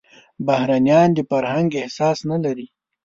بهرنيان د فرهنګ احساس نه لري.